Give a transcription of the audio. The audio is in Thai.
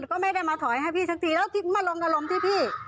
ก็ไม่ได้มาถอยให้พี่สักทีแล้วมาลงอารมณ์ที่พี่